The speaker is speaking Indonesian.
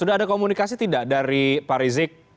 sudah ada komunikasi tidak dari pak rizik